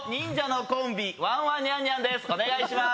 お願いします。